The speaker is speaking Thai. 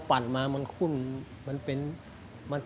กล่าวค้านถึงกุ้ยเตี๋ยวลุกชิ้นหมูฝีมือลุงส่งมาจนถึงทุกวันนี้นั่นเองค่ะ